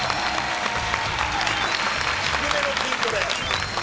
低めの『キントレ』。